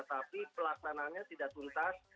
tapi pelaksananya tidak tuntas